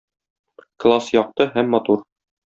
Класс якты һәм матур